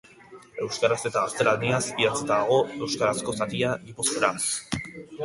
Euskaraz eta gaztelaniaz idatzita dago; euskarazko zatia, gipuzkeraz.